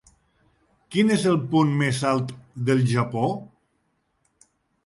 Quin és el punt més alt del Japó?